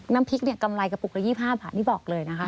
น้ำพริกเนี่ยกำไรกระปุกละ๒๕บาทนี่บอกเลยนะคะ